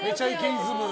イズム。